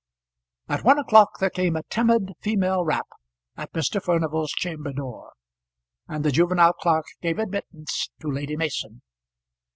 At one o'clock there came a timid female rap at Mr. Furnival's chamber door, and the juvenile clerk gave admittance to Lady Mason.